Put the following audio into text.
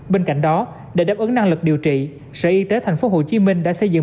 bên cạnh đó để đáp ứng năng lực điều trị sở y tế thành phố hồ chí minh đã xây dựng